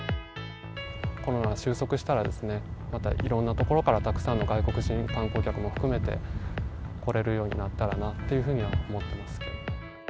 コロナが収束したら、またいろんな所から、たくさんの外国人観光客も含めて来れるようになったらなというふうには思ってます。